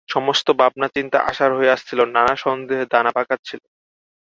সমস্ত ভাবনাচিন্তা অসাড় হয়ে আসছিল, নানা সন্দেহ দানা পাকাচ্ছিল।